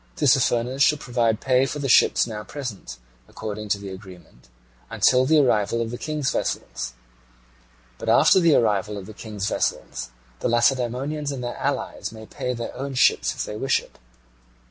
Tissaphernes shall provide pay for the ships now present, according to the agreement, until the arrival of the King's vessels: but after the arrival of the King's vessels the Lacedaemonians and their allies may pay their own ships if they wish it.